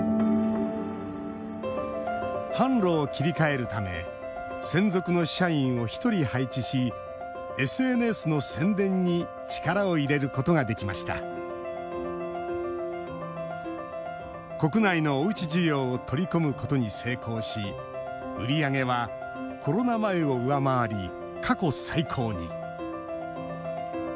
販路を切り替えるため専属の社員を１人配置しＳＮＳの宣伝に力を入れることができました国内のおうち需要を取り込むことに成功し売り上げは、コロナ前を上回り過去最高に。